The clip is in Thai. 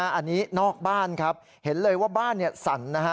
อันนี้นอกบ้านครับเห็นเลยว่าบ้านสั่นนะฮะ